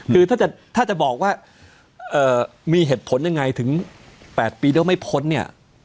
คือถ้าจะบอกว่ามีเหตุผลยังไงถึง๘ปีแล้วไม่พ้นเนี่ย